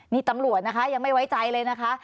นี่ตำรวจนะคะยังไม่ไว้ใจเลยนะคะ